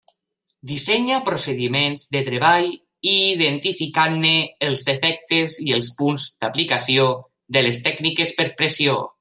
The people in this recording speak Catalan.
Dissenya procediments de treball identificant-ne els efectes i els punts d'aplicació de les tècniques per pressió.